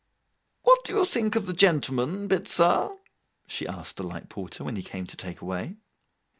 'What do you think of the gentleman, Bitzer?' she asked the light porter, when he came to take away.